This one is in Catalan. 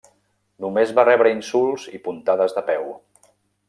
Només va rebre insults i puntades de peu.